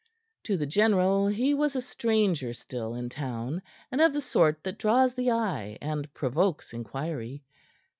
To the general he was a stranger still in town, and of the sort that draws the eye and provokes inquiry.